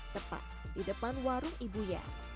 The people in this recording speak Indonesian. tepat di depan warung ibunya